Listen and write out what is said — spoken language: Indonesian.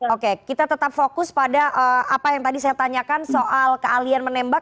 oke kita tetap fokus pada apa yang tadi saya tanyakan soal kealian menembak